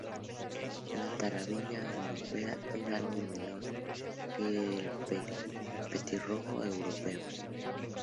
La tarabilla europea es algo menor que el petirrojo europeo.